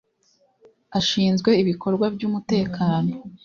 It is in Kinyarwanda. Ashinzwe ibikorwa by umutekano